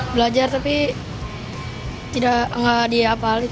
belajar tapi tidak diapalin